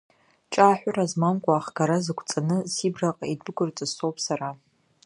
Ҿааҳәыра змамкәа ахгара зықәҵаны Сибраҟа идәықәырҵаз соуп, сара.